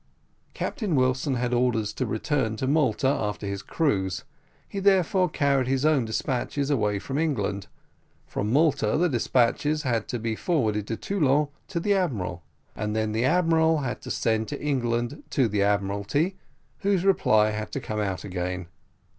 Captain Wilson had orders to return to Malta after his cruise. He therefore carried his own despatches away from England from Malta the despatches had to be forwarded to Toulon to the admiral, and then the admiral had to send to England to the Admiralty, whose reply had to come out again.